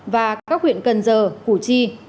và các huyện cần giờ củ chi